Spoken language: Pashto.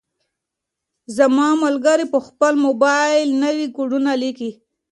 زما ملګری په خپل موبایل کې نوي کوډونه لیکي.